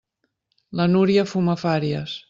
La Núria fuma fàries.